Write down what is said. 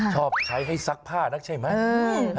ชอบใช้ให้ซักผ้านักใช่ไหม